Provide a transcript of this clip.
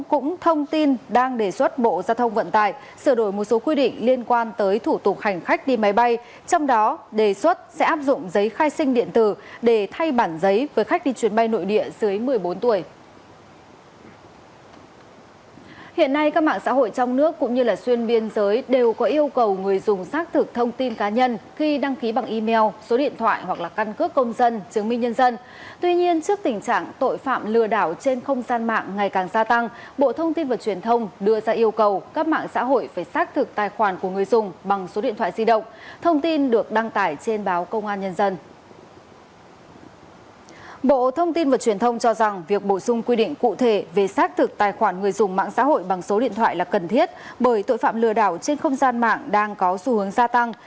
bộ thông tin và truyền thông cho rằng việc bổ sung quy định cụ thể về xác thực tài khoản người dùng mạng xã hội bằng số điện thoại là cần thiết bởi tội phạm lừa đảo trên không gian mạng đang có xu hướng gia tăng